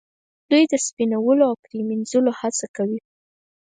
دوی د سپینولو او پریمینځلو هڅه کوي.